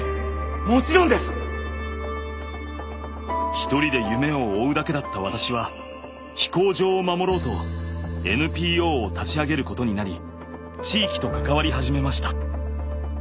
一人で夢を追うだけだった私は飛行場を守ろうとＮＰＯを立ち上げることになり地域と関わり始めました。